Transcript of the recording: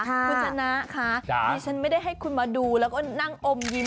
คุณชนะคะดิฉันไม่ได้ให้คุณมาดูแล้วก็นั่งอมยิ้ม